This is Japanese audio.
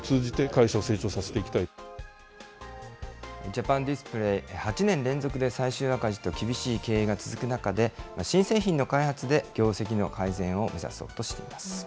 ジャパンディスプレイ、８年連続で最終赤字と厳しい経営が続く中で、新製品の開発で、業績の改善を目指そうとしています。